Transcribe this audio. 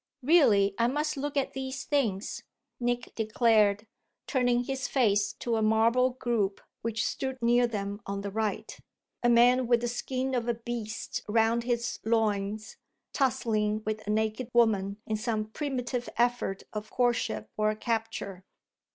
Really I must look at these things," Nick declared, turning his face to a marble group which stood near them on the right a man with the skin of a beast round his loins, tussling with a naked woman in some primitive effort of courtship or capture.